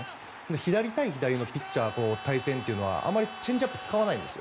左対左のピッチャーの対戦というのはあまりチェンジアップを使わないんです。